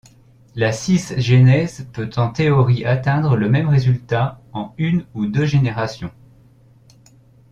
La cisgenèse peut en théorie atteindre le même résultat en une ou deux générations.